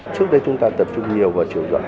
trước đây chúng ta tập trung nhiều vào chiều rộng